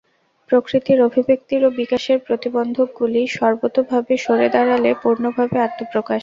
প্রকৃতির অভিব্যক্তির ও বিকাশের প্রতিবন্ধকগুলি সর্বতোভাবে সরে দাঁড়ালে পূর্ণভাবে আত্মপ্রকাশ।